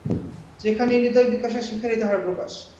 যেখানেই হৃদয়ের বিকাশ হয়, সেখানেই তাঁহার প্রকাশ।